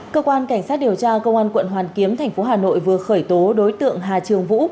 cơ quan cảnh sát điều tra công an quận hoàn kiếm thành phố hà nội vừa khởi tố đối tượng hà trường vũ